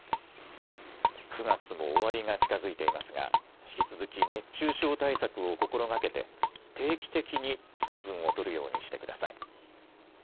９月も終わりが近づいていますが引き続き熱中症対策を心がけて定期的に水分をとるようにしてください。